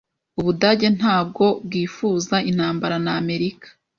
Ubudage ntabwo bwifuzaga intambara na Amerika.